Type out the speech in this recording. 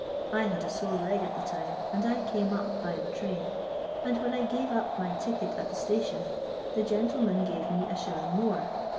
I had a sore leg at the tine, and I came up by the trdn, and when I gate np nr ticket at the station, the gentleflttn gftve ne a aUuing more.